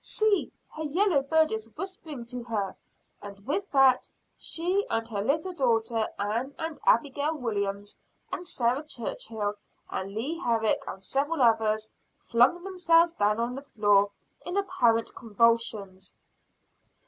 See, her yellow bird is whispering to her!" And with that, she and her little daughter Ann, and Abigail Williams and Sarah Churchill and Leah Herrick and several others, flung themselves down on the floor in apparent convulsions.